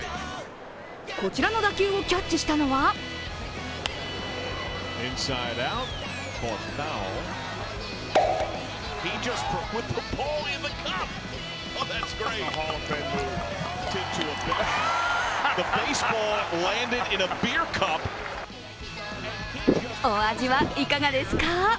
こちらの打球をキャッチしたのはお味はいかがですか？